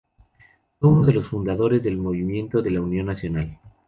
Fue uno de los fundadores del Movimiento de Unión Nacional.